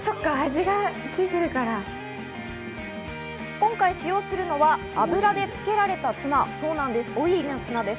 今回使用するのは油でつけられたツナ、オイルツナです。